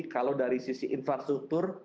kalau dari sisi infrastruktur